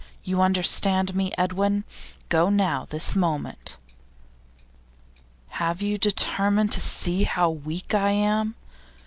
You understand me, Edwin? Go now, this moment.' 'Have you determined to see how weak I am?